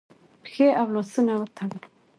پښې او لاسونه وتړل